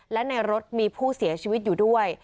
และในรถมีผู้เสียชีวิตอยู่ด้วย